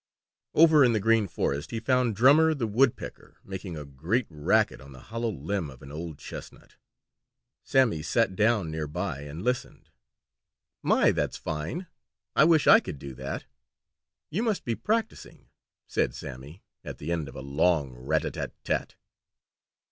Over in the Green Forest he found Drummer the Woodpecker making a great racket on the hollow limb of an old chestnut. Sammy sat down near by and listened. "My, that's fine! I wish I could do that. You must be practising," said Sammy at the end of a long rat a tat tat.